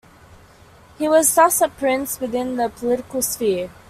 He was thus a prince within the political sphere.